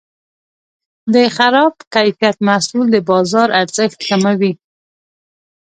د خراب کیفیت محصول د بازار ارزښت کموي.